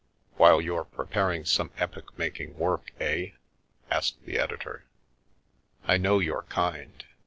" While you're preparing some epoch making work, eh ?" asked the editor. " I know your kind.